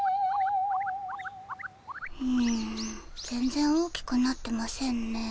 うん全ぜん大きくなってませんね。